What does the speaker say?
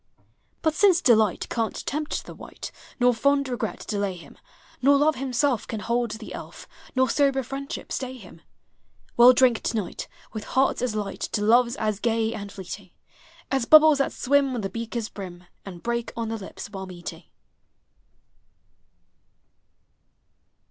But since Delight can't tempt the wight, Nor fond Regret delay him, Nor Love himself can hold the elf. Nor sober Friendship stay him, Well drink to night, with hearts as light, To loves as gag and fleeting As bubbles that swim on the beaker's brim, And break on the lips while meeting.